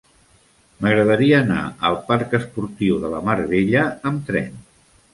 M'agradaria anar al parc Esportiu de la Mar Bella amb tren.